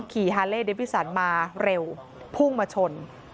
ฮาเล่เดบิสันมาเร็วพุ่งมาชน